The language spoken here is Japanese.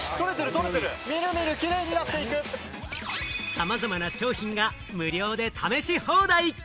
さまざまな商品が無料で試し放題！